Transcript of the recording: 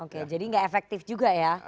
oke jadi nggak efektif juga ya